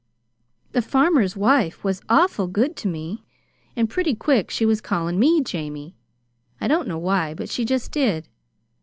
The farmer's wife was awful good to me, and pretty quick she was callin' me 'Jamie.' I don't know why, but she just did.